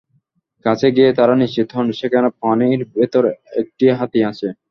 কাছে গিয়ে তাঁরা নিশ্চিত হন, সেখানে পানির ভেতর একটি হাতি আছে।